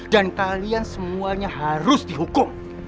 dan kalian semuanya harus dihukum